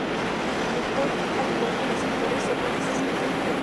El director, al igual que los actores, son artistas que "interpretan".